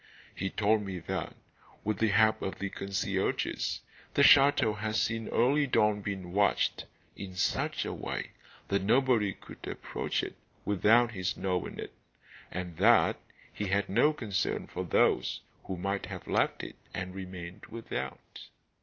He told me that, with the help of the concierges, the chateau had since early dawn been watched in such a way that nobody could approach it without his knowing it, and that he had no concern for those who might have left it and remained without.